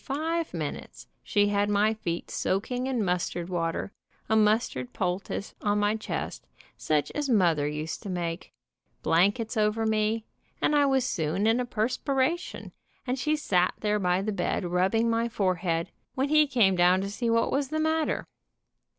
five 220 _ QUEER CASE IN NEW YORK minutes she had my feet soaking in mustard water, a mustard poultice on my chest, such as mother used to make, blankets over me, and I was soon in a per spiration, and she sat there by the bed rubbing my forehead, when he came down to see what was the matter.